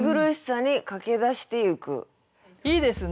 いいですね。